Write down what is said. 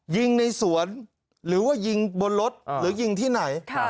ยิงในสวนหรือว่ายิงบนรถหรือยิงที่ไหน